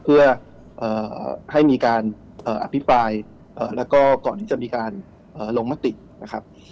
เพื่อให้มีการอภิปรายแล้วก็ก่อนที่จะมีการลงมตินะครับ